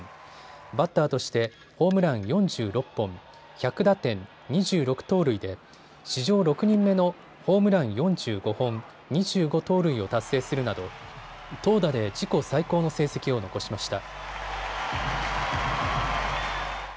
バッターとしてホームラン４６本、１００打点、２６盗塁で史上６人目のホームラン４５本、２５盗塁を達成するなど投打で自己最高の成績を残しました。